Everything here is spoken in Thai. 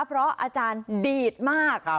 เพราะอาจารย์ดีดมาก